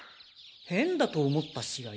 変だと思った試合？